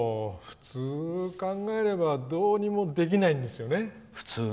普通、考えればどうにもできないんですよね。